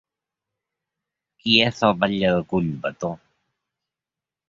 Qui és el batlle de Collbató?